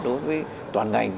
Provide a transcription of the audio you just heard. đối với toàn ngành